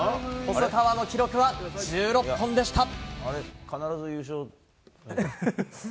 細川の記録は１６本でした。